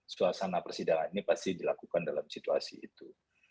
suasana persidangan ini pasti dilakukan dalam situasi itu